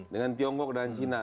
dengan tiongkok dan china